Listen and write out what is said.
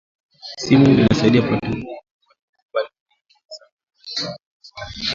Simu inasaidia batu bengi sana juya kuyuwana ma habari